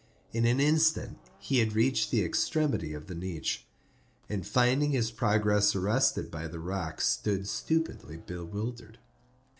In an instant he had reached the extremity of the niche, and finding his progress arrested by the rock, stood stupidly bewildered.